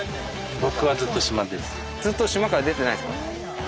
ずっと島から出てないんですか？